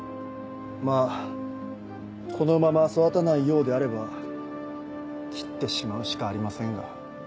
まぁこのまま育たないようであれば切ってしまうしかありませんが。